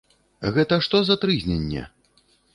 Гэта што за трызненне?